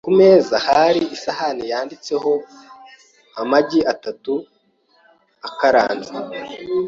Ku meza, hari isahani yanditseho amagi atatu akaranze.